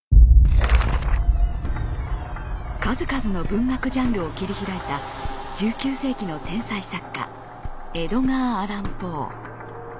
数々の文学ジャンルを切り開いた１９世紀の天才作家エドガー・アラン・ポー。